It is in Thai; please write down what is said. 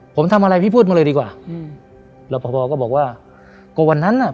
ผมทำอะไรพี่พูดมาเลยดีกว่าอืมแล้วพอพอก็บอกว่าก็วันนั้นอ่ะ